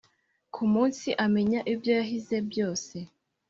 ku munsi amenya ibyo yahize byose